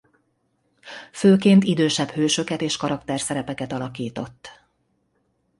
Főként idősebb hősöket és karakterszerepeket alakított.